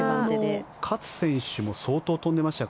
昨日の勝選手も相当飛んでましたが